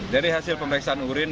dari hasil pemeriksaan urin